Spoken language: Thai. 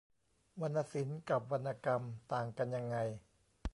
วรรณศิลป์กับวรรณกรรมต่างกันยังไง